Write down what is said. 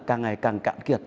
càng ngày càng cạn kiệt